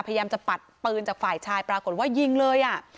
พยายามจะปัดปืนจากฝ่ายชายปรากฏว่ายิงเลยอ่ะ